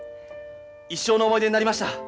一生の思い出になりました。